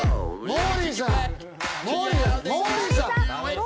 モーリーさん！